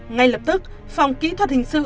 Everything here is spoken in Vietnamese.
ngay lập tức phòng kỹ thuật hình sự